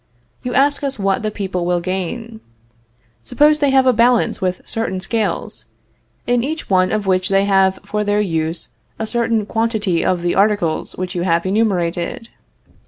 You ask us what the people will gain. Suppose they have a balance with certain scales, in each one of which they have for their use a certain quantity of the articles which you have enumerated.